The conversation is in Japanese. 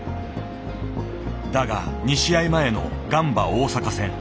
だが２試合前のガンバ大阪戦。